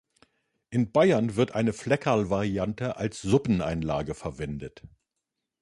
In Bayern wird eine Fleckerl-Variante als Suppeneinlage verwendet.